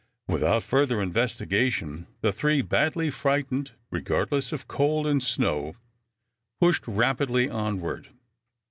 Without further investigation the three, badly frightened, regardless of cold and snow, pushed rapidly onward.